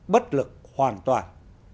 bất lực hoàn toàn